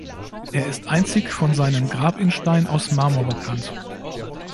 Er ist einzig von seinem Grabinstein aus Marmor bekannt.